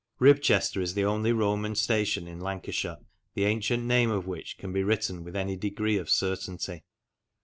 Ribchester is the only Roman station in Lancashire the ancient name of which can be written with any degree of certainty.